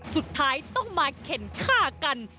สุดท้ายต้องมาเข็นฆ่ากัน